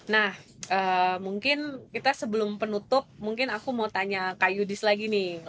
nah mungkin kita sebelum penutup mungkin aku mau tanya kak yudis lagi nih